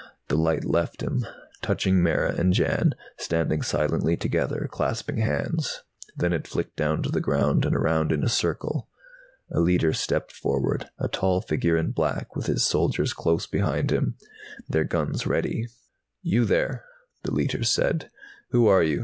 The light left him, touching Mara and Jan, standing silently together, clasping hands. Then it flicked down to the ground and around in a circle. A Leiter stepped forward, a tall figure in black, with his soldiers close behind him, their guns ready. "You three," the Leiter said. "Who are you?